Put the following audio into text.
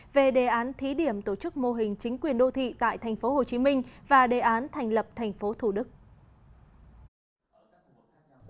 về đề án thí điểm tổ chức mô hình chính quyền đô thị tại tp hcm và đề án thành lập tp thủ đức